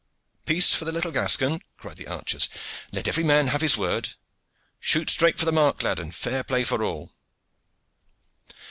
"Peace for the little Gascon!" cried the archers. "Let every man have his word. Shoot straight for the mark, lad, and fair play for all."